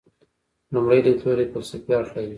لومړی لیدلوری فلسفي اړخ لري.